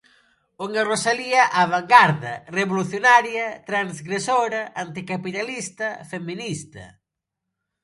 Unha Rosalía á vangarda, revolucionaria, transgresora, anticapitalista, feminista.